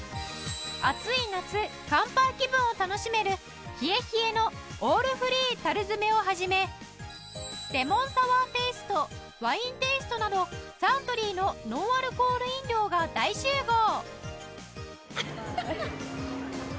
暑い夏乾杯気分を楽しめる冷え冷えのオールフリー樽詰を始めレモンサワーテイストワインテイストなどサントリーのノンアルコール飲料が大集合